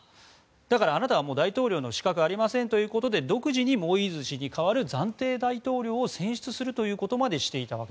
だから、あなたは大統領の資格はありませんということで独自にモイーズ氏に代わる暫定大統領を選出するということまでしていたと。